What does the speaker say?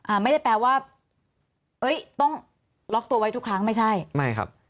ไม่ได้แปลว่าเอ้ยต้องล็อกตัวไว้ทุกครั้งไม่ใช่ไม่ครับ